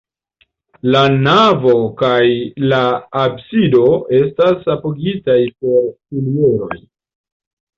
La navo kaj la absido estas apogitaj per pilieroj.